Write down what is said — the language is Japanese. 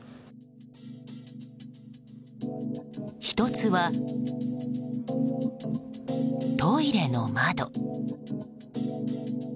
１つはトイレの窓。